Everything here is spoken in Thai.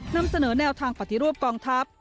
นำเสนอแนวทางปฏิรูปกองทัพ